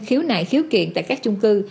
khiếu nại khiếu kiện tại các chung cư